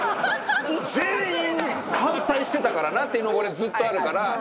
全員反対してたからなっていうの俺ずっとあるから。